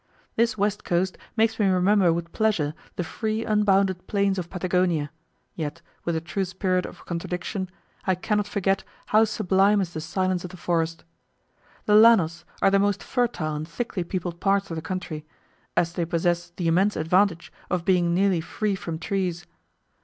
This west coast makes me remember with pleasure the free, unbounded plains of Patagonia; yet, with the true spirit of contradiction, I cannot forget how sublime is the silence of the forest. The Llanos are the most fertile and thickly peopled parts of the country, as they possess the immense advantage of being nearly free from trees.